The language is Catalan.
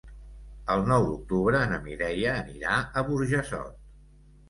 El nou d'octubre na Mireia anirà a Burjassot.